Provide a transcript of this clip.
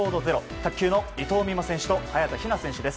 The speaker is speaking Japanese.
卓球の伊藤美誠選手と早田ひな選手です。